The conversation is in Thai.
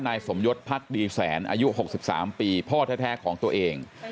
นายสมยศพักดีแสนอายุ๖๓ปีพ่อแท้ของตัวเอง